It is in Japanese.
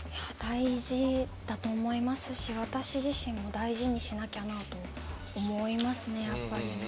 大事だと思いますし私自身も大事にしなきゃなと思いますね、やっぱり。